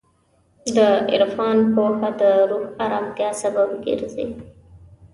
د عرفان پوهه د روح ارامتیا سبب ګرځي.